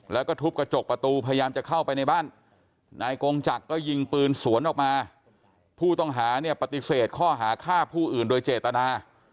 แล้วก็ทุบกระจกประตูพยายามจะเข้าไปในบ้านนายกงจักรก็ยิงปืนสวนออกมาผู้ต้องหาเนี่ยปฏิเสธข้อหาฆ่าผู้อื่นโดยเจตนา